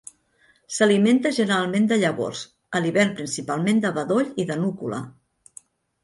S'alimenta generalment de llavors, a l'hivern principalment de bedoll i de núcula.